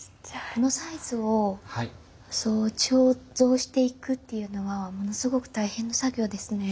このサイズを彫像していくっていうのはものすごく大変な作業ですね。